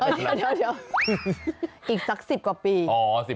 เดี๋ยวอีกสัก๑๐กว่าปี